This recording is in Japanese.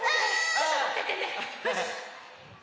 ちょっとまっててね。